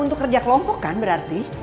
untuk kerja kelompok kan berarti